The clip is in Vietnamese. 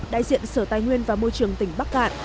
đại diện sở tài nguyên và môi trường tỉnh bắc cạn